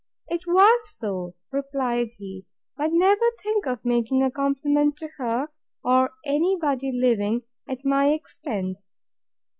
It was so, replied he; but never think of making a compliment to her, or any body living, at my expense.